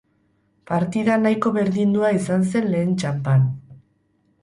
Partida nahiko berdindua izan zen lehen txanpan.